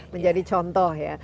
menjadi contoh ya